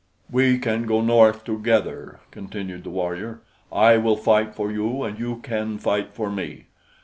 "We can go north together," continued the warrior. "I will fight for you, and you can fight for me.